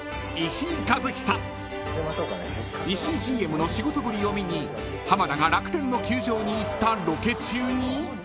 ［石井ＧＭの仕事ぶりを見に浜田が楽天の球場に行ったロケ中に］